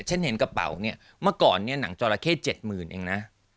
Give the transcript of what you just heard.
ฉันเห็นกระเป๋าเมื่อก่อนหนังโจรเข้๗๐๐๐๐เองนะ